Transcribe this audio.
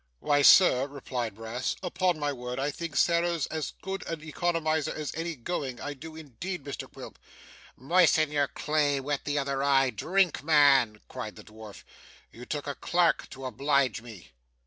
'Why, sir,' replied Brass, 'upon my word I think Sarah's as good an economiser as any going. I do indeed, Mr Quilp.' 'Moisten your clay, wet the other eye, drink, man!' cried the dwarf. 'You took a clerk to oblige me.